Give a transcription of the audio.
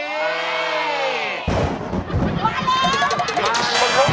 มาแล้ว